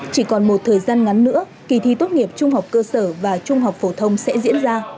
chỉ còn một thời gian ngắn nữa kỳ thi tốt nghiệp trung học cơ sở và trung học phổ thông sẽ diễn ra